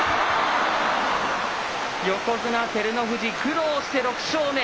横綱・照ノ富士、苦労して６勝目。